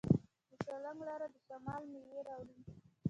د سالنګ لاره د شمال میوې راوړي.